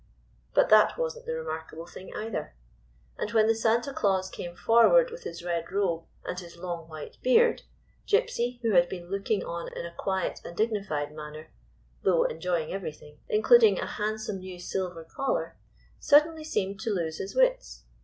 But that was n't the remarkable thing, either. And when the Santa Claus came forward with his red robe and his long, white beard, Gypsy, who had been looking on in a quiet and dignified manner, though enjoying everything, including a handsome new silver collar, suddenly seemed to lose his wits.